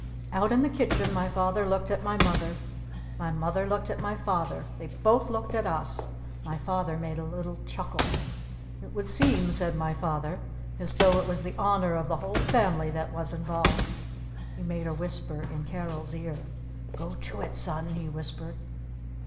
Out in the kitchen my Father looked at my Mother. My Mother looked at my Father. They both looked at us. My Father made a little chuckle. "It would seem," said my Father, "as though it was the honor of the whole family that was involved!" He made a whisper in Carol's ear. "Go to it, Son!" he whispered.